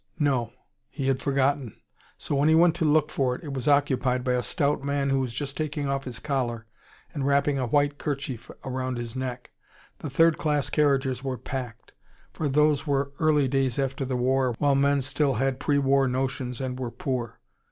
No, he had forgotten. So when he went to look for it, it was occupied by a stout man who was just taking off his collar and wrapping a white kerchief round his neck. The third class carriages were packed. For those were early days after the war, while men still had pre war notions and were poor.